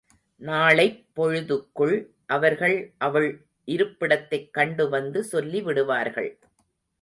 நாளைப் பொழுதுக்குள் அவர்கள் அவள் இருப்பிடத்தைக் கண்டுவந்து சொல்லி விடுவார்கள்.